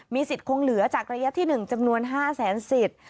สิทธิ์คงเหลือจากระยะที่๑จำนวน๕แสนสิทธิ์